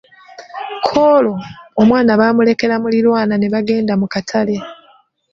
Ku olwo, omwana baamulekera muliraanwa ne bagenda mu katale.